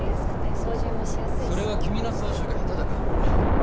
それは君の操縦が下手だからだ。